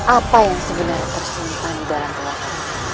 apa yang sebenarnya tersimpan dalam hatiku